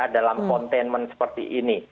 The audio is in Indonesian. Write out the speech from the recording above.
dalam containment seperti ini